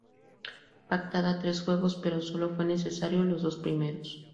Pactada a tres juegos pero solo fue necesario los dos primeros.